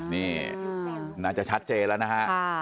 นี่น่าจะชัดเจนแล้วนะฮะ